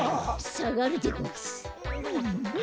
さがるでごんす。